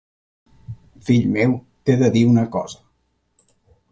Fill meu, t'he de dir una cosa.